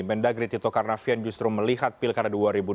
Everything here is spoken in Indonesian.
mendagri tito karnavian justru melihat pilkada dua ribu dua puluh